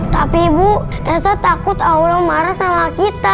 tapi ibu saya takut allah marah sama kita